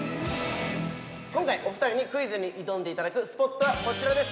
今回お二人にクイズに挑んでいただくスポットは、こちらです。